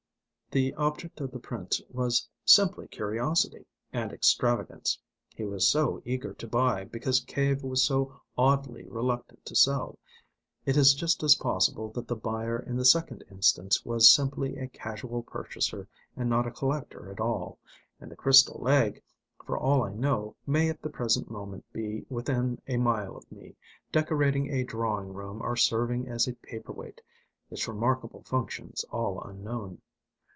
The object of the Prince was simply curiosity and extravagance. He was so eager to buy, because Cave was so oddly reluctant to sell. It is just as possible that the buyer in the second instance was simply a casual purchaser and not a collector at all, and the crystal egg, for all I know, may at the present moment be within a mile of me, decorating a drawing room or serving as a paper weight its remarkable functions all unknown.